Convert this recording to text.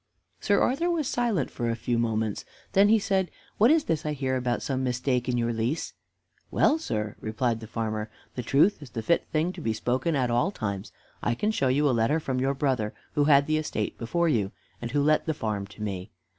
Sir Arthur was silent for a few moments. Then he said, "What is this I hear about some mistake in your lease?" "Well, sir," replied the farmer, "the truth is the fit thing to be spoken at all times. I can show you a letter from your brother who had the estate before you, and who let the farm to me.